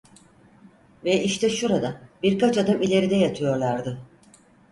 Ve işte şurada, birkaç adım ileride yatıyorlardı.